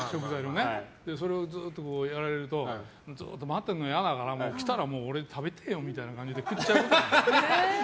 それをずっと、やられるとずっと待ってるの嫌だから来たら、俺食べたいよみたいな感じで食っちゃう。